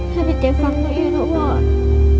ให้พี่เจ๊กฟังพี่อยู่ด้วยว่า